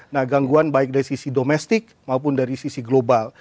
nah gangguan baik dari sisi domestik maupun dari sisi global